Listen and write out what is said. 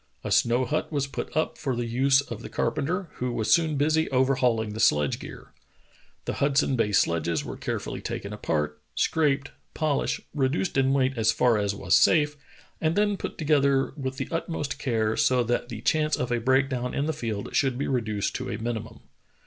A snow hut was put up for the use of the carpenter, who was soon busy overhauling the sledge gear. The Hud son Bay sledges were carefully taken apart, scraped, polished, reduced in weight as far as was safe, and then put together with the utmost care so that the chance of a break down in the field should be reduced to a mini mum.